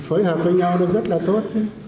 phối hợp với nhau nó rất là tốt chứ